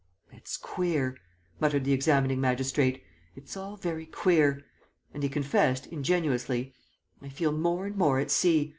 "It's queer," muttered the examining magistrate, "it's all very queer. ..." And he confessed, ingenuously, "I feel more and more at sea.